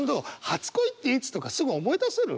初恋っていつとかすぐ思い出せる？